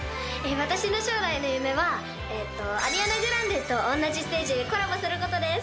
私の将来の夢はアリアナ・グランデと同じステージでコラボする事です。